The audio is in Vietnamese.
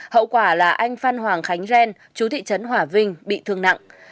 hậu quả là anh phan hoàng khánh ren chú thị trấn hỏa vinh bị thương nặng